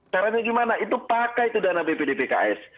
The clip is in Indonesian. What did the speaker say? caranya gimana itu pakai itu dana bpdpks